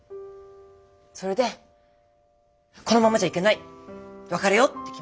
それでこのままじゃいけない別れようって決めたの。